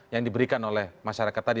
yang diberikan oleh masyarakat tadi